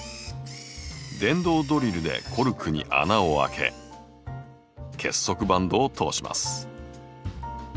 電動ドリルでコルクに穴を開け結束バンドを通します。